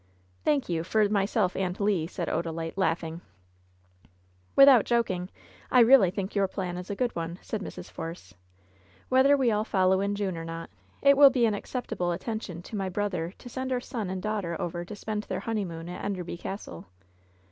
"Thank you, for myself and Le," said Odalite, laugh ing. "Without joking, I really think your plan is a good one," said Mrs. Force. ""Wliether we all follow in June or not, it will be an acceptable attention to my brother to send our son and daughter over to spend their honey moon at Enderby Castle."